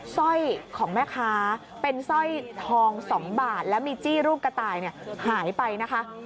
สร้อยของแม่ค้าเป็นสร้อยทอง๒บาทแล้วมีจี้รูปกระต่ายหายไปนะคะ